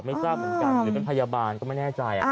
ไม่ทราบเหมือนกันหรือเป็นพยาบาลก็ไม่แน่ใจ